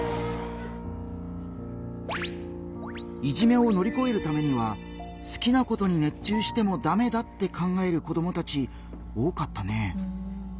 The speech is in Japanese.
いじめを乗り越えるためには好きなことに熱中してもダメだって考える子どもたち多かったね。